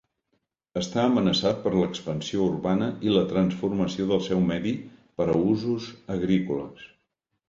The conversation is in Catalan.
Està amenaçat per l'expansió urbana i la transformació del seu medi per a usos agrícoles.